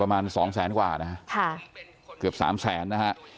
ประมาณสองแสนกว่านะฮะค่ะเกือบสามแสนนะฮะ